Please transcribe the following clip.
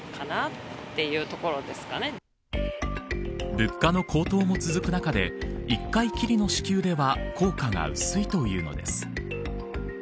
物価の高騰も続く中で１回きりの支給では効果が薄いというのです。